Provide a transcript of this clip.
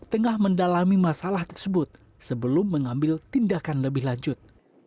tengah mendalami masalah tersebut sebelum mengambil tindakan lebih lanjut